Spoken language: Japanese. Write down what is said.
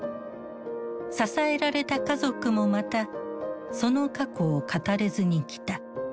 支えられた家族もまたその過去を語れずにきた。